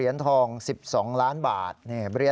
นายยกรัฐมนตรีพบกับทัพนักกีฬาที่กลับมาจากโอลิมปิก๒๐๑๖